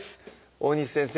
大西先生